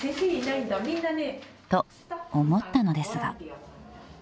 ［と思ったのですが］